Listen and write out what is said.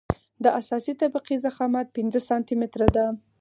د اساسي طبقې ضخامت پنځه سانتي متره دی